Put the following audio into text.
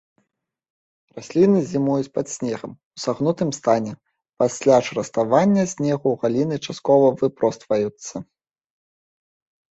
Расліны зімуюць пад снегам у сагнутым стане, пасля ж раставання снегу галіны часткова выпростваюцца.